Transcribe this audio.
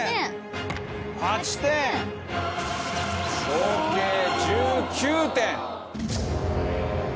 合計１９点。